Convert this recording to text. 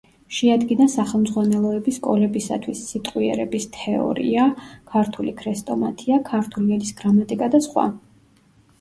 შეადგინა სახელმძღვანელოები სკოლებისათვის: „სიტყვიერების თეორია“, „ქართული ქრესტომათია“, „ქართული ენის გრამატიკა“ და სხვა.